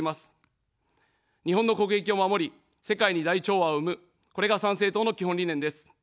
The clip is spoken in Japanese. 日本の国益を守り、世界に大調和を生む、これが参政党の基本理念です。